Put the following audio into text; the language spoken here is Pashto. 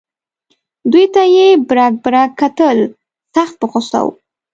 دوی ته یې برګ برګ کتل سخت په غوسه و.